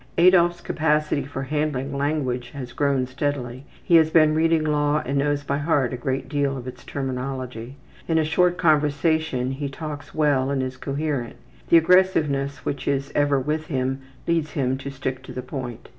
Adolf's capacity for handling language has grown steadily. He has been reading law and knows by heart a great deal of its terminology. In a short conversation he talks well and is coherent. The aggressiveness which is ever with him leads him to stick to the point.